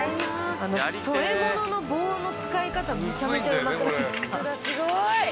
添え物の棒の使い方むちゃむちゃうまくないですか。